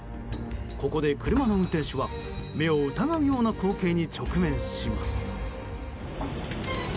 ここで車の運転手は目を疑うような光景に直面します。